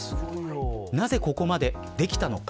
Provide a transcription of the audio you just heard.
なぜ、ここまでできたのか。